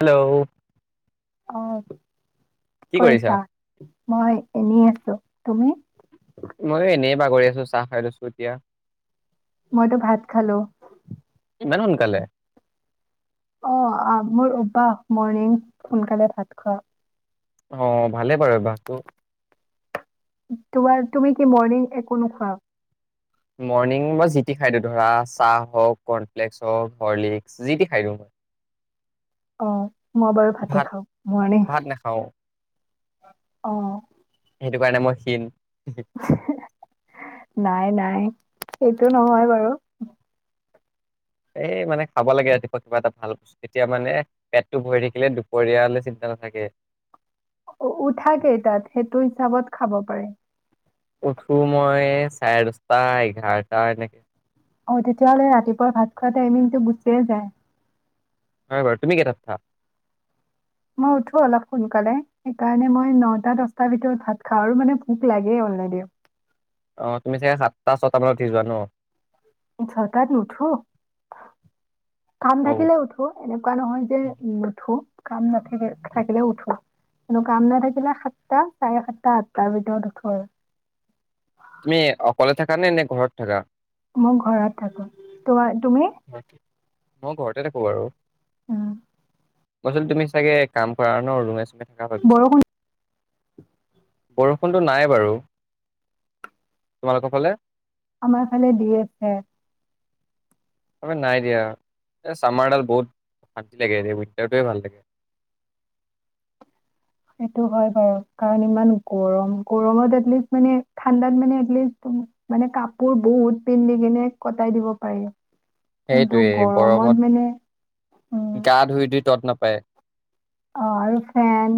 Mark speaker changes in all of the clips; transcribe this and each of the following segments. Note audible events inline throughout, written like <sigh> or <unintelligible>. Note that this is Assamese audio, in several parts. Speaker 1: হেল্ল'
Speaker 2: অ'। কৰিছা, মই এনেই আছোঁ। তুমি?
Speaker 1: কিবা কৰি আছোঁ, চাহ খাই লৈছো এতিয়া।
Speaker 2: মইটো ভাত খালোঁ।
Speaker 1: ইমান সোনকালে।
Speaker 2: অ', আমৰ ওপাহ ম'ৰ্ণিং সোনকালে ভাত খোৱা।
Speaker 1: অ', ভালে বাৰু ভাতটো।
Speaker 2: তোমাৰ, তুমি কি মৰ্ণিং একো নোখোৱা?
Speaker 1: মৰ্ণিং মই যিটি খাই দিওঁ ধৰা, চাহ হওঁক, কৰ্ণফ্লেক্স হওঁক, হৰ্লিক্স, যিটি খাই দিওঁ মই।
Speaker 2: অ'। মই বাৰু ভাতে
Speaker 1: ভাত
Speaker 2: খাওঁ মৰ্নিং।
Speaker 1: ভাত নাখাও
Speaker 2: অ'।
Speaker 1: সেইটো কাৰণে মই ক্ষীন।
Speaker 2: নাই নাই। সেইটো নহয় বাৰু।
Speaker 1: এই মানে খাব লাগে ৰাতিপুৱা কিবা এটা ভাল বস্তু, তেতিয়া মানে পেটটো ভৰি থাকিলে দুপৰীয়ালে চিন্তা নাথাকে।
Speaker 2: উঠা কেইটাত? সেইটো হিচাপত খাব পাৰে।
Speaker 1: উঠো মই, চাৰে দহটা এঘাৰটা এনেকে।
Speaker 2: অ' তেতিয়াহ'লে ৰাতিপুৱাৰ ভাত খোৱা টাইমিংটো গুচিয়ে যায়।
Speaker 1: হয় বাৰু, তুমি কেইটাত উঠা?
Speaker 2: মই উঠো অলপ সোনকালে, সেইকাৰণে মই নটা দচটাৰ ভিতৰত ভাত খাওঁ আৰু মানে ভোক লাগেই অলৰেডি।
Speaker 1: অ' তুমি চাগে সাতটা ছটা মানত উঠি যোৱা ন?
Speaker 2: ছ তাত নুঠো। কাম
Speaker 1: অ'
Speaker 2: থাকিলে উঠো, এনেকুৱা নহয় যে নুঠো। কাম নাথা <inaudible> থাকিলে উঠো। কিন্তু কাম নাথাকিলে সাতটা, চাৰে সাতটা, আঠটাৰ ভিতৰত উঠো আৰু।
Speaker 1: তুমি অকলে থাকা নে? নে ঘৰত থাকা?
Speaker 2: মই ঘৰত থাকো। তো তুমি?
Speaker 1: মই ঘৰতে থাকো বাৰু।
Speaker 2: উম।
Speaker 1: মই চোন তুমি চাগে কাম কৰা ন ৰুমে চোমে কা ভাবিছিলোঁ।
Speaker 2: বৰষুণ
Speaker 1: বৰষুণটো নাই বাৰু, তোমালোকৰ ফালে?
Speaker 2: আমাৰ ফালে দি আছে।
Speaker 1: নাই দিয়া, এ চামাৰডাল বহুত অশান্তি লাগে যে উইন্টাৰটোৱে ভাল লাগে।
Speaker 2: সেইটো হয় বাৰু কাৰণ ইমান গৰম গৰমত এটলিষ্ট মানে ঠাণ্ডাত মানে এলিষ্ট মানে কাপোৰ বহুত পিন্ধি কিনে কটাই দিব পাৰি। কিন্তু
Speaker 1: সেইটোৱে
Speaker 2: গৰমত মানে উম
Speaker 1: গৰমত গা ধুই ধুই তত নাপায়।
Speaker 2: অ আৰু ফেন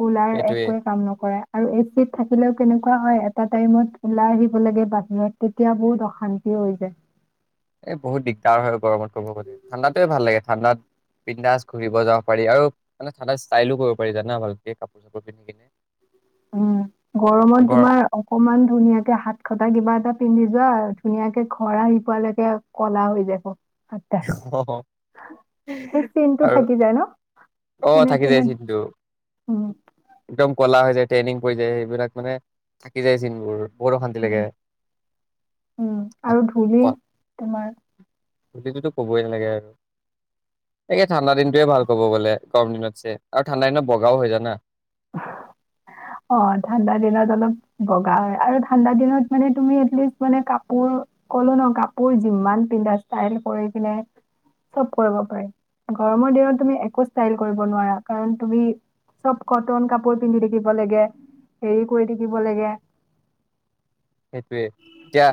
Speaker 2: কুলাৰ
Speaker 1: সেইটোয়ে
Speaker 2: একোৱে কাম নকৰে আৰু এ চিত থাকিলেও কেনে কোৱা হয় এটা টাইমত ওলাই আহিব লাগে বাহিৰত তেতিয়া বহুত অশান্তি হৈ যায়।
Speaker 1: এ বহুত দিগদাৰ হয় গৰমত ক'ব গলে ঠাণ্ডাতে ভাল লাগে ঠাণ্ডাত বিন্দাচ ঘূৰিব যাব পাৰি আৰু মানে ঠাণ্ডা ষ্টাইলো কৰিব পাৰি জানা ভালকে কাপোৰ চাপোৰ পিন্ধি কিনে।
Speaker 2: উম, গৰমত
Speaker 1: ঘৰ
Speaker 2: তোমাৰ অকমান ধুনীয়াকে হাত খটা কিবা এটা পিন্ধি যোৱা ধুনীয়াকে ঘৰ আহি পোৱালৈকে কলা হৈ যাব। হাতটা
Speaker 1: অ,
Speaker 2: সেই চিনটো
Speaker 1: আৰু
Speaker 2: থাকি যায় ন
Speaker 1: অ
Speaker 2: চিনে
Speaker 1: থাকি
Speaker 2: চিনে
Speaker 1: যায় চিনটো
Speaker 2: উম
Speaker 1: একদম কলা হৈ যায়। ট্ৰেইনিং পৰি যায় সেইবিলাক মানে থাকি যায় চিনবোৰ। বহুত অশান্তি লাগে।
Speaker 2: উম, উম আৰু ধূলি তোমাৰ
Speaker 1: সেইটোতো কবই নালাগে আৰু। তাকে ঠাণ্ডা দিনটোৱে ভাল কব গ'লে গৰম দিনতছে আৰু ঠাণ্ডা দিনত বগাও হৈ জানা।
Speaker 2: অ ঠাণ্ডা দিনত অলপ বগা হয় আৰু ঠাণ্ডা দিনত মানে তুমি এটলিষ্ট মানে কাপোৰ কলো ন কাপোৰ যিমান পিন্ধা ষ্টাইল কৰিকিনে চব কৰিব পাৰি। গৰমৰ দিনত তুমি একো ষ্টাইল কৰিব নোৱাৰা কাৰণ তুমি চব কটন কাপোৰ পিন্ধি থাকিব লাগে হেৰি কৰি থাকিব লাগে।
Speaker 1: সেইটোয়ে, এতিয়া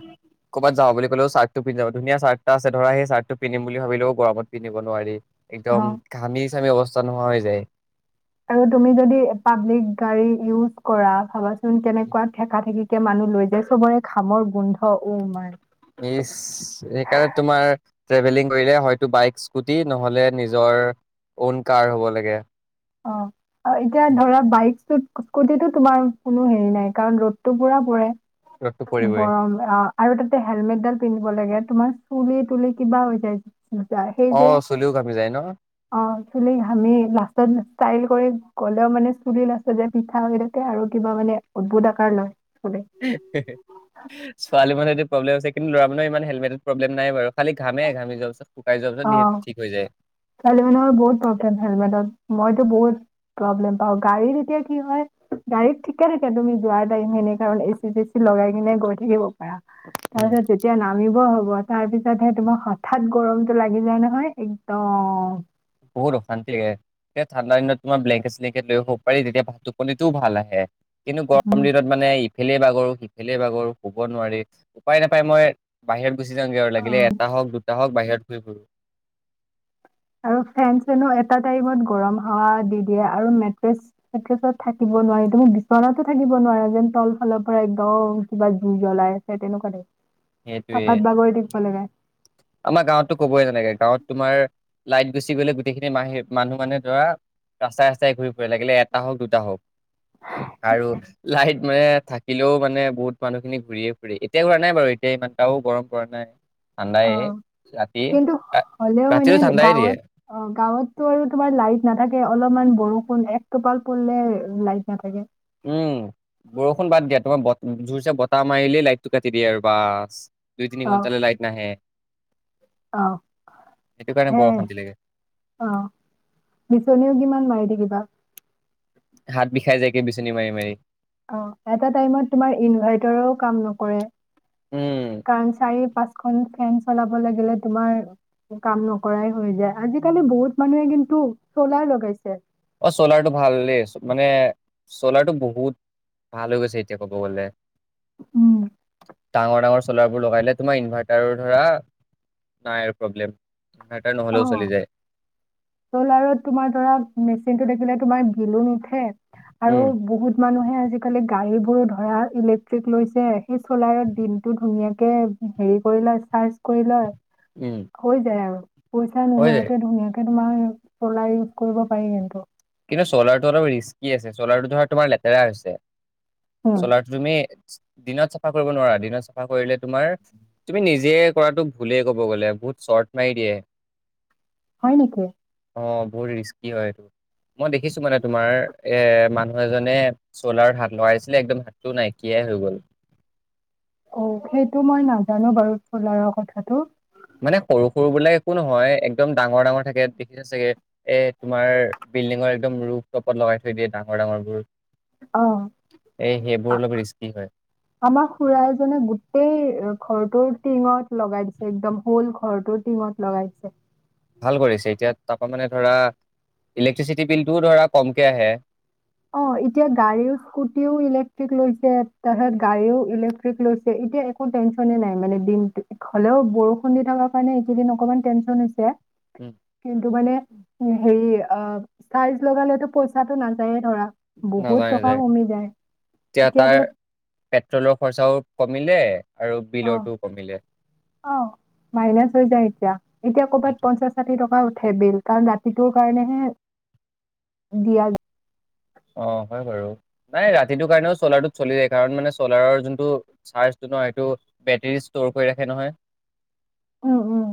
Speaker 1: কৰ'বাত যাওঁ বুলি কলেও চাৰ্টটো পিন্ধিযাবা, ধুনীয়া চাৰ্ট এটা আছে ধৰা সেই চাৰ্টটো পিন্ধিম বুলি ভাবিলেও গৰমত পিন্ধিব নোৱাৰি।
Speaker 2: অ
Speaker 1: একদম ঘামি ছামি অৱস্থা নোহোৱা হৈ যায়।
Speaker 2: আৰু তুমি যদি পাব্লিক গাড়ী ইউজ কৰা ভাবা চোন কেনেকুৱা থেকা থেকি সে মানুহ লৈ যায়, চবৰে ঘামৰ গুন্ধ উহ মাই
Speaker 1: ইচ সেইকাৰণে তোমাৰ ট্ৰেভেলিং কৰিলে হয়তো বাইক স্কুটি নহলে নিজৰ অওন কাৰ হব লাগে।
Speaker 2: অহ আৰু এতিয়া ধৰা বাইকটোত স্কুটিতো তোমাৰ কোনো হেৰি নাই, কাৰণ ৰদটো পুৰা পৰে।
Speaker 1: ৰ'দটো পৰিবই
Speaker 2: গৰম অহ আৰু তাতে হেলমেটডাল পিন্ধিব লাগে, তোমাৰ চুলি তুলি কিবা হৈ যায়। তাকে যে
Speaker 1: অ' চুলিও ঘামি যায় ন।
Speaker 2: অহ, চুলি ঘামেই লা ষ্টাইল কৰি গলেও মানে চুলি লাষ্টত যে পিঠা হৈ থাকে আৰু কিবা মানে উদ্ভুত আকাৰ লয়। চুলি
Speaker 1: হে হে ছোৱালী মানুহৰ তোৰ প্ৰব্লেমহৈছে, কিন্তু লৰাবোনৰ ইমান হেলমেটত প্ৰবলেম নাই বাৰু খালি ঘামে, ঘামি যোৱাৰ পিছত শুকাই যোৱাৰ পিছত
Speaker 2: অ
Speaker 1: যিহেতু ঠিক হৈ যায়।
Speaker 2: ছোৱালী মানুহৰ বহুত প্ৰব্লেম হেলমেটত, মইতো বহুত প্ৰব্লেম পাওঁ গাড়ীত এতিয়া কি হয় গাড়ীত ঠিকে থাকে তুমি যোৱাৰ টাইম এনে কাৰণ এচি তেচি লগাই কিনে গৈ থাকিব পাৰা। তাৰ
Speaker 1: উম
Speaker 2: পিছত যেতিয়া নামিব হ ব <unintelligible> তাৰ পিছতহে তোমাৰ হঠাৎ গৰমতটো লাগি যায় নহয় অ অ
Speaker 1: বহুত অশান্তিয়ে এ ঠাণ্ডা দিনত তোমাৰ ব্লেংকেট-শ্লেংকেট লৈয়ো শুব পাৰি তেতিয়া ভা টোপনিটো ভাল আহে। কিন্তু
Speaker 2: উম,
Speaker 1: গৰম দিনত মানে ইফালে বাগৰো সিফালে বাগৰো শুব নোৱাৰি উপায় নাপায় মই বাহিৰত গুচি জাঙ্গে আৰু লাগিলে
Speaker 2: অ
Speaker 1: এটা হওক দুটা টা হওঁক বাহিৰত ঘূৰি ফুৰোঁ।
Speaker 2: আৰু ফেন চেনো এটা টাইমত গৰম হাৱা দি দিয়ে আৰু মেট্ৰেছ-ছেট্ৰেছত থাকিব নোৱাৰি তুমি বিছনাতো থাকিব নোৱাৰা যেন তল ফালৰ পৰা একদম কিবা জুই জ্বলাই আছে তেনেকুৱা
Speaker 1: সেইটোৱে,
Speaker 2: পাকাত বাগৰি থাকিব লাগে
Speaker 1: আমাৰ গাঁৱতো কবই নালাগে গাঁৱত তোমাৰ লাইট গুচি গ'লে গোটেইখিনি মাহি মানুহ কাৰণে ধৰা ৰাস্তাই ৰাস্তাই ঘূৰি ফুৰে লাগিলে এটা হওক দুটা হওক। আৰু লাইট মানে থাকিলেও মানে বহুত মানুহখিনি ঘূৰিয়ে ফুৰে এতিয়া ঘূৰা নাই বাৰু এতিয়া ইমানটাও গৰম পৰা নাই। ঠাণ্ডাই
Speaker 2: অ
Speaker 1: ৰাতি
Speaker 2: কিন্তু হ'লেও মানে
Speaker 1: ৰাতিটো ঠাণ্ডাই দিয়ে
Speaker 2: গাঁৱত অ গাঁৱততো আৰু তোমাৰ লাইট নাথাকে অলপমান বৰষুণ একটোপাল পৰিলে লাইট নাথাকে।
Speaker 1: উম, বৰষুণ বাদ দিয়া, তোমাৰ জোৰচে বতাহ মাৰিলেই লাইটটো কাটি দিয়ে আৰু বাছ! দুই, তিনি ঘণ্টালৈ লাইট নাহে।
Speaker 2: অহ,
Speaker 1: সেইটো কাৰণে
Speaker 2: হে
Speaker 1: বৰ অশান্তি লাগে
Speaker 2: অহ বিচনীয়েও কিমান মাৰি থাকিবা।
Speaker 1: হাত বিষায় যায়গে বিচনী মাৰি মাৰি।
Speaker 2: অ, এটা টাইমত তোমাৰ ইনভাৰ্টাৰো কাম নকৰে।
Speaker 1: উম
Speaker 2: কাৰণ চাৰি, পাঁচখন ফেন চলাব লাগিলে তোমাৰ কাম নকৰাই হৈ যায়। আজিকালি বহুত মানুহে কিন্তু চলাৰ লগাইছে।
Speaker 1: অ' চলাৰটো ভাল দেই। মানে চলাৰটো বহুত ভাল হৈ গৈছে এতিয়া ক'ব গ'লে।
Speaker 2: উম
Speaker 1: ডাঙৰ ডাঙৰ চলাৰবোৰ লগাই দিলে তোমাৰ ইনভাৰ্টাৰৰ ধৰা নাই আৰু প্ৰব্লেম। ডাটা নহ'লেও চলি যায়।
Speaker 2: চ'ল আৰু তোমাৰ ধৰা মেচিনটো দেখিলে তোমাৰ <unintelligible> আছে
Speaker 1: উম
Speaker 2: আৰু বহুত মানুহে আজিকালি গাড়ীবোৰো ধৰা ইলেক্ট্ৰিক লৈছে, সেই চ'লাৰত দিনটো ধুনীয়াকে হেৰি কৰি লয়, চাৰ্জ কৰি লয়।
Speaker 1: উম
Speaker 2: হৈ যায় আৰু। পইচা
Speaker 1: হৈ যায়
Speaker 2: নোহোৱাকে ধুনীয়া কে। তোমাৰ চ'লাৰ ইউজ কৰিব পাৰি কিন্তু।
Speaker 1: কিন্তু চলাৰটো অলপ ৰিস্কি আছে। চলাৰটো ধৰা তোমাৰ লেতেৰা হৈছে।
Speaker 2: উম
Speaker 1: স'লাৰটো তুমি দিনত চাফা কৰিব নোৱাৰা, দিনত চাফা কৰিলে তোমাৰ তুমি নিজে কৰাটো ভুলেই ক'ব গ'লে বহুত চৰ্ট মাৰি দিয়ে।
Speaker 2: হয়, নেকি?
Speaker 1: অ' বহুত ৰিস্কি হয়। মই দেখিছো মানে তোমাৰ এ মানুহ এজনে সোলাৰ হাত লগাইছিলে একদম হাতটো নাইকিয়াই হৈ গ'ল।
Speaker 2: অ' সেইটো মই নাজানো বাৰু সোলাৰৰ কথাটো।
Speaker 1: মানে সৰু সৰু বিলাক একো নহয়, একদম ডাঙৰ ডাঙৰ থাকে দেখিছে চাগে এ তোমাৰ বিল্ডিঙৰ একদম ৰূফটপত লগাই থৈ দিয়ে ডাঙৰ ডাঙৰবোৰ।
Speaker 2: অ' আ
Speaker 1: অলপ ৰিস্কি হয়
Speaker 2: আমাৰ খুৰা এজনে গোটেই ঘৰটোৰ টিঙত লগাই দিছে একদম হৌল ঘৰটো টিঙত লগাই দিছে।
Speaker 1: ভাল কৰিছে এতিয়া তাৰ পৰা মানে ধৰা ইলেক্ট্ৰিচিটি বিলটোও ধৰা কমকে আহে।
Speaker 2: অ' এতিয়া গাড়ী স্কুটিও ইলেক্ট্ৰিক লৈছে। তাৰপিছত গাড়ীও ইলেক্ট্ৰিক লৈছে। এতিয়া একো টেনচনে নাই মানে দিনটো। হ'লেও বৰষুণ দি থকাৰ কাৰণে এইকেইদিন অকমান টেনচন হৈছে।
Speaker 1: উম।
Speaker 2: কিন্তু মানে, উম, হেৰি অ টাইলচ লগালেটো পইচাটো নাযায়ে। অ' <unintelligible>
Speaker 1: নাযায় নাযায় এতিয়া তাৰ পেট্ৰলৰ খৰচাও কমিলে, আৰু
Speaker 2: অ'
Speaker 1: বিলৰটোও কমিলে
Speaker 2: অ' মাইনাচ হৈ যায় এতিয়া, এতিয়া কৰ'বাত
Speaker 1: সেইটো
Speaker 2: পঞ্চাশ ষাঠি টকা উ থেবিল কাৰণ <unintelligible> ৰাতিটোৰ কাৰণেহে দিয়া যা
Speaker 1: অ হয় বাৰু নাই ৰাতিটোৰ কাৰণেও সোলাৰটো চলে কাৰন মানে সলাৰৰ যোনটো চাৰ্জটো ন সেইটো বেটেৰী ষ্ট'ৰ কৰি ৰাখে নহয়
Speaker 2: উম উম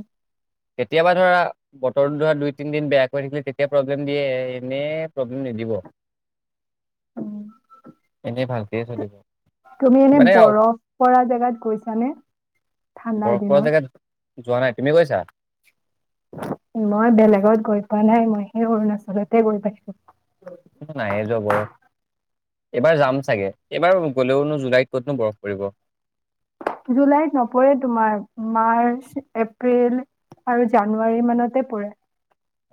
Speaker 1: কেতিয়াবা ধৰা বতৰো ধৰা দুই তিনদিন বেয়া কৰি থাকিলে তেতিয়া প্ৰব্লেম দিয়ে এনেই প্ৰব্লেম নিদিব
Speaker 2: উম
Speaker 1: এনেই ভালকেই চলিব
Speaker 2: তুমি এনে
Speaker 1: মানে
Speaker 2: বৰফ পৰা জেগাত গৈছানে ঠাণ্ডাৰ
Speaker 1: বৰফ পৰা জেগাত
Speaker 2: দিনত
Speaker 1: যোৱা নাই তুমি গৈছা?
Speaker 2: মই বেলেগত গৈ পোৱা নাই মই সেই অৰুণাচলতে গৈ পাইছো
Speaker 1: নাইয়ে যোৱা বৰ এইবাৰ যাম চাগে এইবাৰ গ'লেওনো জুলাইত ক'তনো বৰফ পৰিব
Speaker 2: জুলাইত নপৰে তোমাৰ মাৰ্চ এপ্ৰিল আৰু জানুৱাৰী মানতে পৰে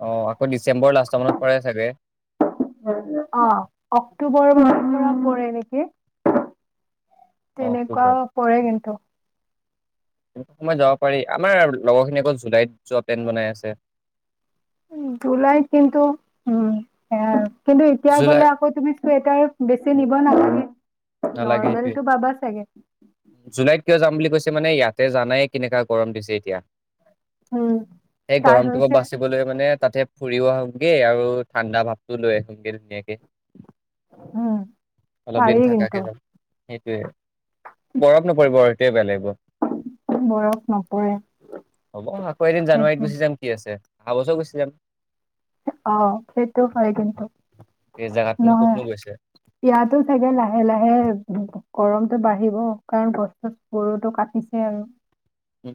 Speaker 1: অ আকৌ ডিচেম্বৰ লাষ্টৰ মানত পৰে চাগে
Speaker 2: অ অক্টোবৰ মাহৰ পৰা পৰে নেকি
Speaker 1: অ
Speaker 2: তেনেকুৱা
Speaker 1: অক্টোবৰ
Speaker 2: পৰে কিন্তু
Speaker 1: সময় যাব পাৰি আমাৰ লগৰখিনি আকৌ জুলাইত যোৱা প্লেণ বনাই আছে
Speaker 2: উম জুলাইত কিন্তু উ বেয়া আৰু কিন্তু এতিয়া
Speaker 1: জুলাই
Speaker 2: গলে আকৌ তুমি চুৱেটাৰ বেছি নিব নালাগে
Speaker 1: নালাগে সেইটোৱে
Speaker 2: নৰ্মেলটো পাবা চাগে
Speaker 1: জুলাইত কিয় যাম বুলি কৈছো মানে ইয়াতে জানাই কেনেকা গৰম দিছে এতিয়া
Speaker 2: উম
Speaker 1: সেই
Speaker 2: ষ্টাৰ্ট
Speaker 1: গৰমটোৰ পৰা
Speaker 2: হৈছে
Speaker 1: বাচিবলৈ মানে তাতে ফুৰিব আহোগে আৰু ঠাণ্ডা ভাৱটো লৈ আহোঁগে ধুনীয়াকে
Speaker 2: উম
Speaker 1: অলপ দিন
Speaker 2: পাৰি
Speaker 1: থাক তাকে
Speaker 2: কিন্তু
Speaker 1: যাব সেইটোৱে বৰফ নপৰিব আৰু সেইটোৱে বেয়া লাগিব
Speaker 2: বৰফ নপৰে
Speaker 1: হ'ব আকৌ এদিন জানুৱাৰীত
Speaker 2: তাকে
Speaker 1: গুচি যাম কি আছে অহা বছৰ গুচি যাম
Speaker 2: অ সেইটো হয় কিন্তু
Speaker 1: এই জেগাতনো
Speaker 2: নহয়
Speaker 1: ক'তনো গৈছে
Speaker 2: ইয়াতো চাগে লাহে লাহে গৰমতটো বাঢ়িব কাৰণ গছত গৰুটো কাটিছে আৰু
Speaker 1: উম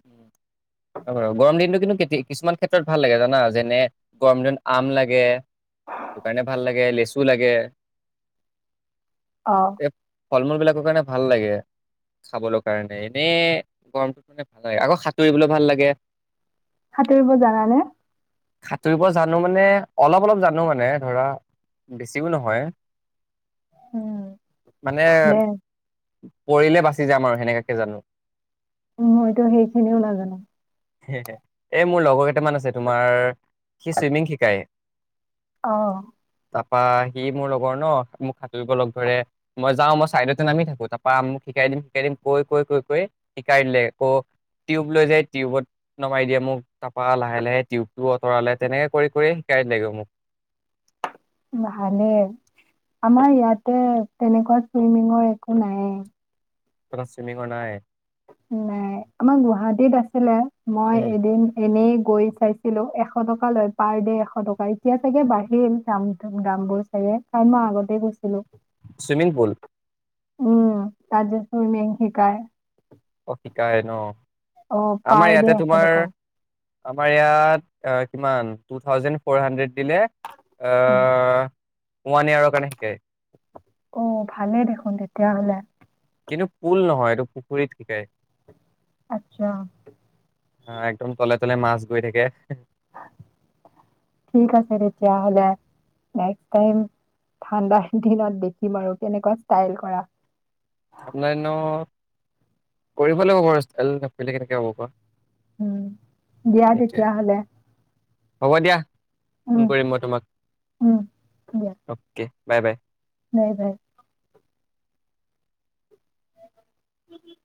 Speaker 1: হয় বাৰু গৰম দিনটো কিন্তু কেটি কিছুমান ক্ষেত্ৰত ভাল লাগে জানা যেনে গৰম দিনত আম লাগে সেইকাৰণে ভাল লাগে লে লিচু লাগে
Speaker 2: অ
Speaker 1: এই ফল মূল বিলাকৰ কাৰণে ভাল লাগে খাবলৈ কাৰণে এনেই গৰমটো আকৌ সাঁতুৰিবলৈ ভাল লাগে
Speaker 2: সাঁতুৰিব জানানে
Speaker 1: সাঁতুৰিব জানো মানে অলপ অলপ জানো মানে ধৰা বেছিও নহয়
Speaker 2: উম
Speaker 1: মানে
Speaker 2: ভালে
Speaker 1: পৰিলে বাচি যাম আৰু সেনেকাকে জানো।
Speaker 2: মইতো সেইখিনিও লাগে নাই।
Speaker 1: এই মোৰ লগৰ কেইটামান আছে তোমাৰ সি চুইমিং শিকায়।
Speaker 2: আহ।
Speaker 1: তাৰপৰা সি মোৰ লগৰ ন মোক সাঁতুৰিব লগ ধৰে মই যাওঁ মই ছাইডতে নামি থাকোঁ তাপৰা মোক শিকাই দিম শিকাই দিম কৈ কৈ কৈ কৈ, শিকাই দিলে। আকৌ, টিউব লৈ যাই, টিউবত নমাই দিয়ে মোক ত। পাহ লাহে লাহে টিউব। আঁতৰালে তেনেকে কৰি কৰি শিকাই লাগিব মোক।
Speaker 2: ভালেই, আমাৰ ইয়াতে, তেনেকুৱা চুইমিঙৰ একো নাই।
Speaker 1: ত সিমিং কৰা নাই।
Speaker 2: নাই, আমাৰ গুৱাহাটীত আছিলে মই
Speaker 1: উম।
Speaker 2: এদিন এনেই। গৈ চাইছিলো এশ টকা লৈ পাৰ দে এশ টকা এতিয়া চাগে বাঢ়িল দাম দাম বোৰ চাগে কাৰাই মই আগতে গৈছিলো।
Speaker 1: Swimming pool.
Speaker 2: উম তাজ সুমিং শিকাই।
Speaker 1: অ শিকাই ন
Speaker 2: অ
Speaker 1: আমাৰ
Speaker 2: পাৰ ডে
Speaker 1: ইয়াতে
Speaker 2: এশ
Speaker 1: তোমাৰ,
Speaker 2: টকা
Speaker 1: আমাৰ ইয়াত। <unintelligible> দিলে,
Speaker 2: উম,
Speaker 1: আঁহ- ওৱান ইয়াৰ'ৰ কাৰণে শিকায়।
Speaker 2: অঁ, ভালেই দেখোন তেতিয়া হ'লে।
Speaker 1: কিন্তু, পুল নহয়, এইটো পুখুৰীত শিকাই।
Speaker 2: আচ্ছা
Speaker 1: হা, একদম- সেইফালে মাছ গৈ থাকে।
Speaker 2: ঠিক আছে তেতিয়াহলে নেষ্কট টাইম ঠাণ্ডাৰ দিনত দেখিম আৰু কেনেকুৱা ষ্টাইল কৰা।
Speaker 1: ঠাণ্ডা দিনত কৰিব লাগিব বাৰু ষ্টাইল নকৰিলে কেনেকে হব কোৱা।
Speaker 2: উম, দিয়া
Speaker 1: সেইটোৱে
Speaker 2: তেতিয়াহলে
Speaker 1: হব দিয়া ফোন
Speaker 2: উম
Speaker 1: কৰিম মই তোমাক,
Speaker 2: উম
Speaker 1: অকে বাই বাই
Speaker 2: নে বাই <inaudible>